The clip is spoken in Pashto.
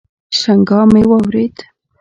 شرنگا مې واورېد.